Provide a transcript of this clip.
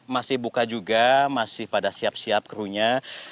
masih buka juga masih pada siap siap krunya